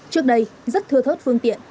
trước đây rất thưa thớt phương tiện